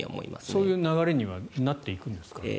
そういう流れにはなっていくんですか？